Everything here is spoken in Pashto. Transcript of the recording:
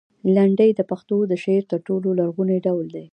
لنډۍ د پښتو د شعر تر ټولو لرغونی ډول دی.